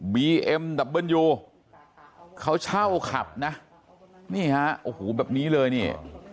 บีเอ็มดับเบิ้ลยูเขาเช่าขับนะนี่ฮะโอ้โหแบบนี้เลยนี่